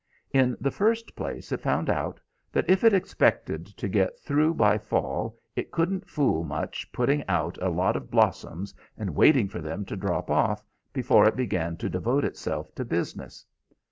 In the first place it found out that if it expected to get through by fall it couldn't fool much putting out a lot of blossoms and waiting for them to drop off, before it began to devote itself to business.